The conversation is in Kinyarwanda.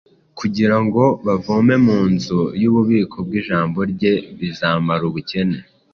kugira ngo bavome mu nzu y’ububiko bw’ijambo rye ibizamara ubukene.